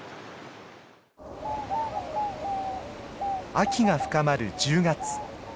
秋が深まる１０月。